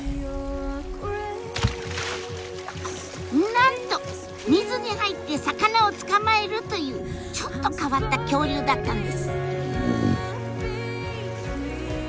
なんと水に入って魚を捕まえるというちょっと変わった恐竜だったんです。